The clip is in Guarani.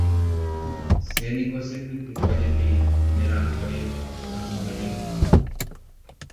Chéve niko chepytyvõjepi ne ramói amyrỹi.